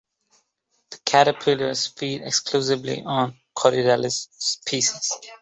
The caterpillars feed exclusively on "Corydalis" species.